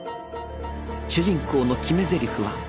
主人公の決めぜりふは。